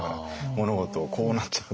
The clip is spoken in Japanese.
物事をこうなっちゃった。